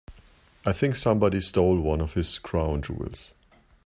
I think somebody stole one of his crown jewels.